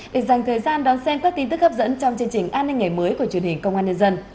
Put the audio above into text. để dành thời gian đón xem các tin tức hấp dẫn trong chương trình an ninh ngày mới của truyền hình công an nhân dân